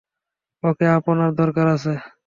ওঁকে আপনার দরকার আছে?